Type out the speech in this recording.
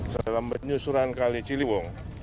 selama penyusuran kali ciliwung